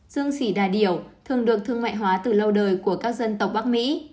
dương sỉ đà điểu thường được thương mại hóa từ lâu đời của các dân tộc bắc mỹ